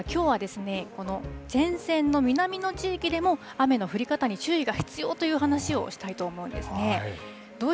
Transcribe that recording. ただ、きょうは、この前線の南の地域でも、雨の降り方に注意が必要という話をしたいと思うんですね。